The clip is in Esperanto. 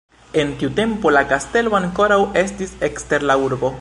En tiu tempo la kastelo ankoraŭ estis ekster la urbo.